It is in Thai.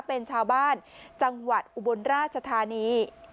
เป็นชาวบ้านจังหวัดอุบลราชธานี